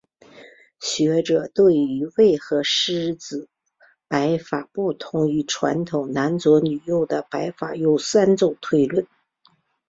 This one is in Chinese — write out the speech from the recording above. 学者对于为何石狮子摆法不同于传统男左女右的摆法有三种推论。